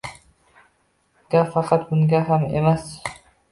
Gap faqat bunda ham emas.